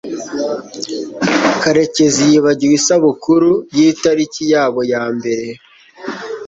karekezi yibagiwe isabukuru yitariki yabo ya mbere